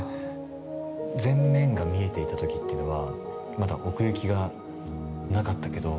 全面が見えていた時っていうのはまだ奥行きがなかったけど。